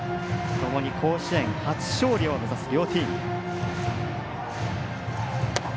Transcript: ともに甲子園初勝利を目指す両チーム。